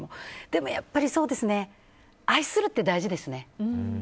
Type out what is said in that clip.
でもやっぱり愛するって大事ですね。